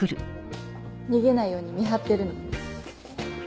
逃げないように見張ってるの。